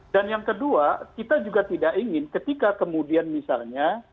dan yang kedua kita juga tidak ingin ketika kemudian misalnya